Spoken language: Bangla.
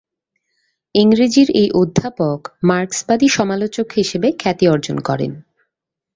ইংরেজির এই অধ্যাপক মার্ক্সবাদী সমালোচক হিসেবে খ্যাতি অর্জন করেন।